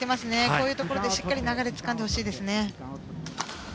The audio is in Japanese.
こういうところでしっかり流れをつかんでほしいです。